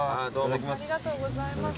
ありがとうございます。